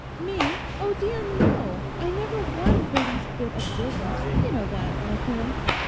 'Me? Oh dear, no! I never was the least bit observant; you know that, Arthur.